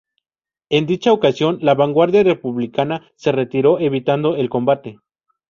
En dicha acción la vanguardia republicana se retiró evitando el combate.